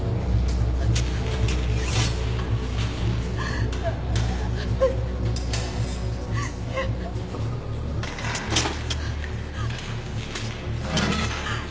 ああ！